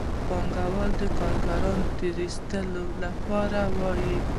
پانګوال د کارګرانو د تېر ایستلو لپاره وايي